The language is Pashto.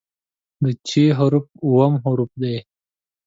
د "چ" حرف اووم حرف دی.